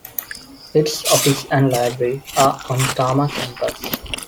Its office and library are on Tama Campus.